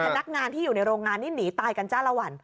พนักงานที่อยู่ในโรงงานนี่หนีตายกันจ้าละวัน